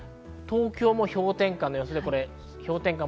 東京も氷点下の予想です。